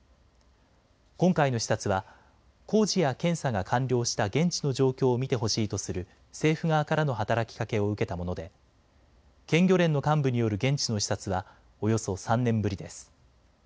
今回の視察は工事や検査が完了した現地の状況を見てほしいとする政府側からの働きかけを受けたもので県漁連の幹部による現地の視察はおよそ３年ぶりです。